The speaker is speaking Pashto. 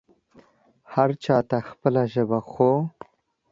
هر چا ته خپله ژبه خو